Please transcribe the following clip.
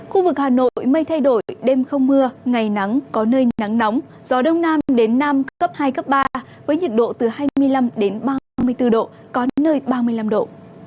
khu vực hà nội mây thay đổi đêm không mưa ngày nắng nóng đến nam cấp hai cấp ba với nhiệt độ từ hai mươi năm đến ba mươi bốn độ